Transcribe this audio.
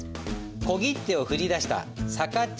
小切手を振り出したさかっ